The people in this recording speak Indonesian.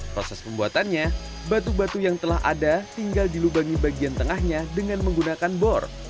proses pembuatannya batu batu yang telah ada tinggal dilubangi bagian tengahnya dengan menggunakan bor